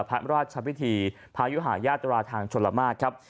ภรราชภิษฐีภายุหาญาตราทาง๑๒๘บครับ